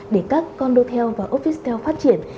để các condo tel và office tel phát triển